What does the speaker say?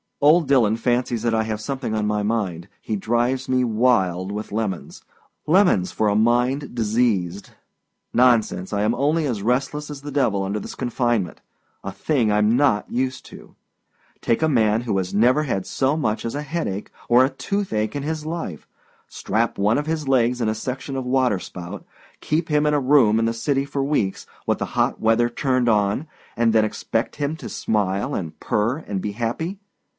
Old Dillon fancies that I have something on my mind. He drives me wild with lemons. Lemons for a mind diseased! Nonsense. I am only as restless as the devil under this confinement a thing Iâm not used to. Take a man who has never had so much as a headache or a toothache in his life, strap one of his legs in a section of water spout, keep him in a room in the city for weeks, with the hot weather turned on, and then expect him to smile and purr and be happy!